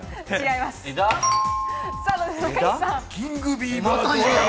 キングビーバーとなる。